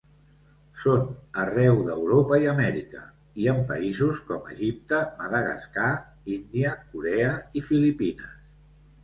Són arreu d'Europa i Amèrica, i en països com Egipte, Madagascar, Índia, Corea i Filipines.